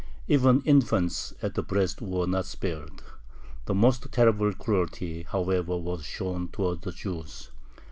Even infants at the breast were not spared. The most terrible cruelty, however, was shown towards the Jews.